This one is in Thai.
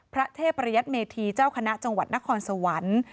พระเทพประยัติเมธีเจ้าคณะจังหวัดนครสวรรค์